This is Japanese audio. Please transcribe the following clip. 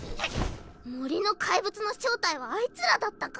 森の怪物の正体はあいつらだったか。